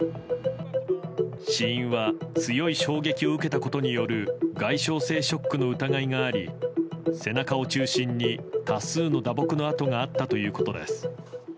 死因は強い衝撃を受けたことによる外傷性ショックの疑いがあり背中を中心に多数の打撲の痕があったということです。